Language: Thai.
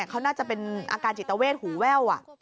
เขาน่าจะเป็นอาการจิตเวทหูแว่ว